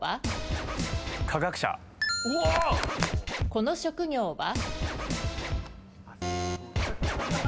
この職業は？